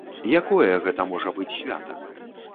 Якое гэта можа быць свята?